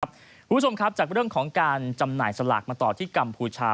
คุณผู้ชมครับจากเรื่องของการจำหน่ายสลากมาต่อที่กัมพูชา